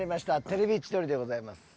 『テレビ千鳥』でございます。